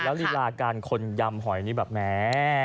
แล้วลีราการคนยำหอยนี่แบบแม้